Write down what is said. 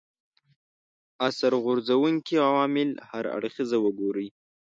اثر غورځونکي عوامل هر اړخیزه وګوري